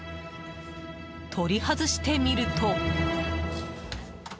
取り外してみると。